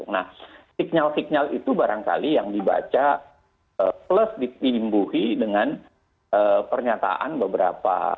nah signal signal itu barangkali yang dibaca plus ditimbuhi dengan pernyataan beberapa